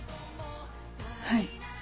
はい。